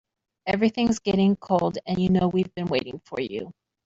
Everything's getting cold and you know we've been waiting for you.